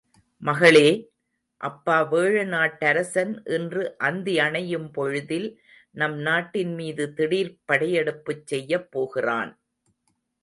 மகளே! அப்பா வேழநாட்டரசன் இன்று அந்தி அணையும் பொழுதில் நம் நாட்டின் மீது திடீர்ப் படைஎடுப்புச் செய்யப்போகிறான்!...